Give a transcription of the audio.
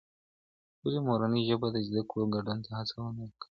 ولي مورنۍ ژبه د زده کړې ګډون ته هڅونه ورکوي؟